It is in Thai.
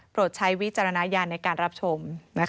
ใช้วิจารณญาณในการรับชม